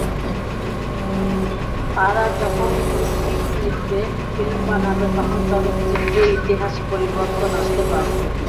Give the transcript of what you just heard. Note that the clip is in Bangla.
তারা যখন স্ক্রিপ্ট লিখবে, ফিল্ম বানাবে, তখন চলচ্চিত্রে ইতিবাচক পরিবর্তন আসতে বাধ্য।